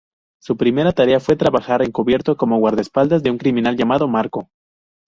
Su primera tarea fue trabajar encubierto como guardaespaldas de un criminal llamado Marko.